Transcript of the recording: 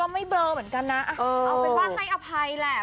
ก็ไม่เบอร์เหมือนกันนะเอาไปบ้านให้อภัยแหล่ะ